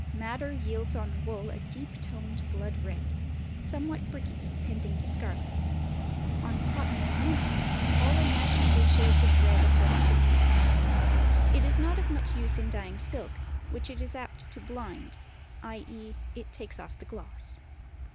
Madder yields on wool a deep toned blood red, somewhat bricky and tending to scarlet. On cotton and linen, all imaginable shades of red according to the process. It is not of much use in dyeing silk, which it is apt to "blind"; i.e. it takes off the gloss.